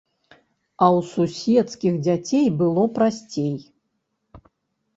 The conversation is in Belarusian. А ў суседскіх дзяцей было прасцей.